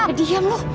eh diam lu